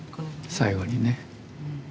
最後にね。